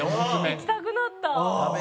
行きたくなった。